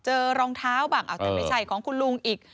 รองเท้าบ้างอาจจะไม่ใช่ของคุณลุงอีก